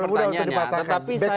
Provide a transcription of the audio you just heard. terlalu mudah untuk dipatahkan